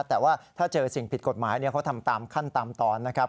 แต่ว่าถ้าเจอสิ่งผิดกฎหมายเขาทำตามขั้นตอนนะครับ